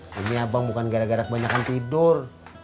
aduh ini abang bukan gara gara kebanyakan tidur